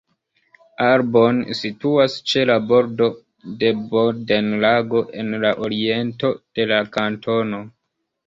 Arbon situas ĉe la bordo de Bodenlago en la oriento de la kantono.